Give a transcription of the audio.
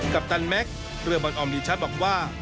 ปตันแม็กซ์เรือบอลออมดีชัดบอกว่า